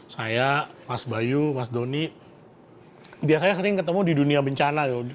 saya mas bayu mas doni biasanya sering ketemu di dunia bencana